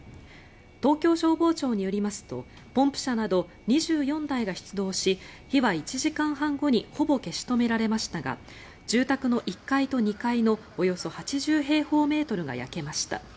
東京消防庁によりますとポンプ車など２４台が出動し火は１時間半後にほぼ消し止められましたが住宅の１階と２階のおよそ８０平方メートルが焼けました。